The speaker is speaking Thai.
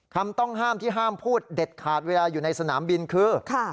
คำต้องห้ามที่ห้ามพูดเด็ดขาดเวลาอยู่ในสนามบินคือ